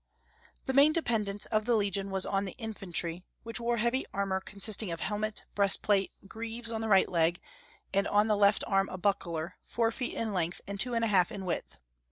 The main dependence of the legion was on the infantry, which wore heavy armor consisting of helmet, breastplate, greaves on the right leg, and on the left arm a buckler, four feet in length and two and a half in width.